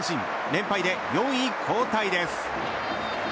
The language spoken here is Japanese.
連敗で４位後退です。